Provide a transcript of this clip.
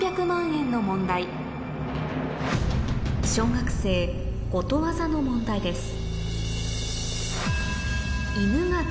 小学生の問題です